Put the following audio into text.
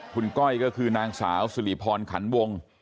คุณก้อยก็คือนางสาวสิริพรขันวง